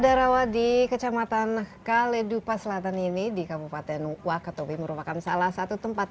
darawa di kecamatan kaledupa selatan ini di kabupaten wakatobi merupakan salah satu tempat